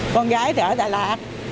con gái thì ở đà lạt